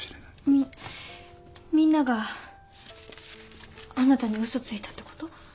みんながあなたに嘘ついたってこと？